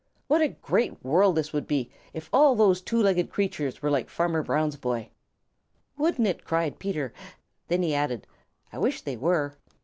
What a great world this would be if all those two legged creatures were like Farmer Brown's boy." "Wouldn't it!" cried Peter. Then he added, "I wish they were."